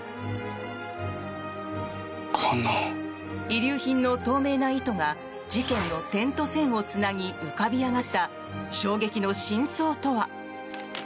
遺留品の透明な糸が事件の点と線をつなぎ浮かび上がった衝撃の真相とは？